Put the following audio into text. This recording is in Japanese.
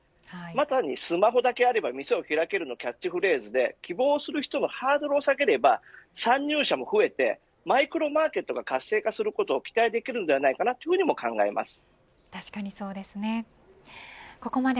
まさにスマホだけあれば店を開けるのキャッチフレーズで希望する人のハードルを下げれば参入者も増えてマイクロマーケットが活性化することを期待できると考えます。